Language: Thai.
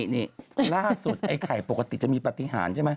นี่ล่าสุดไอ้ไข่ปกติจะมีปฏิหารใช่ไหม